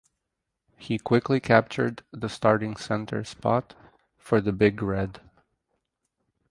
He quickly captured the starting center spot for the Big Red.